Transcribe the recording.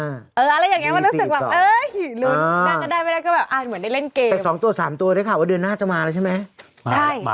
แต่๒๓ตัวเลยครับว่าเดือนหน้าจะมาใช่ไหม